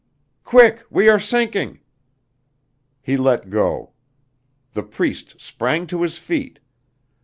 "Quick! We are sinking!" He let go. The Priest sprang to his feet.